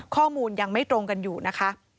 ข้อมูลยังไม่ตรงกันอยู่นะคะ